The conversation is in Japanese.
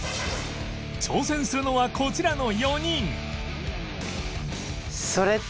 挑戦するのはこちらの４人